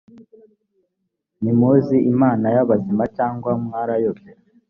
ntimuzi imana y abazima cyangwa mwarayobye